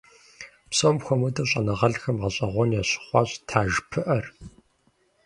Псом хуэмыдэу щӀэныгъэлӀхэм гъэщӏэгъуэн ящыхъуащ таж пыӀэр.